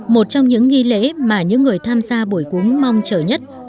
một trong những nghi lễ mà những người tham gia buổi cúng mong chờ nhất